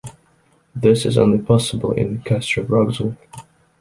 This is only possible in Castrop-Rauxel.